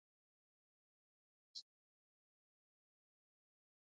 ازادي راډیو د عدالت بدلونونه څارلي.